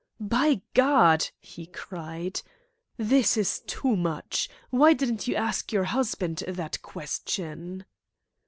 "By God," he cried, "this is too much! Why didn't you ask your husband that question?"